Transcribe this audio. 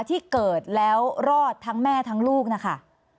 ที่เกิดแล้วรอดทั้งแม่ทั้งลูกนะคะ